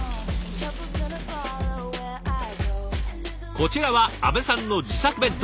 こちらは安部さんの自作弁当。